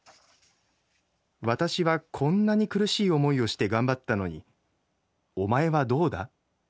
私はこんなに苦しい思いをして頑張ったのにお前はどうだと。